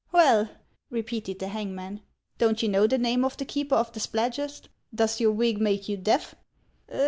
" Well !" repeated the hangman, " don't you know the name of the keeper of the Spladgest ? Does your wig make you deaf?"